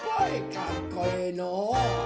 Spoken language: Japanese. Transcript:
かっこええのう！